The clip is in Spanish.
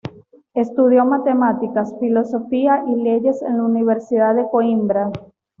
Estudió matemáticas, filosofía y leyes en la Universidad de Coímbra.